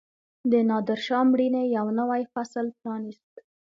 د نادرشاه مړینې یو نوی فصل پرانیست.